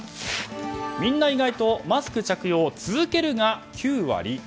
みんな意外とマスク着用続けるが９割。